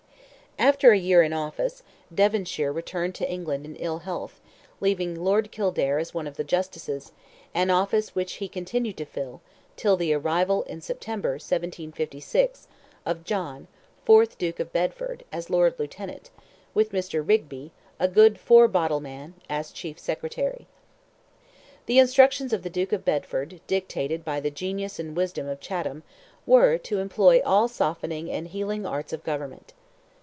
After a year in office, Devonshire returned to England in ill health, leaving Lord Kildare as one of the Justices, an office which he continued to fill, till the arrival in September, 1756, of John, fourth Duke of Bedford, as Lord Lieutenant, with Mr. Rigby, "a good four bottle man," as chief secretary. The instructions of the Duke of Bedford, dictated by the genius and wisdom of Chatham, were, to employ "all softening and healing arts of government."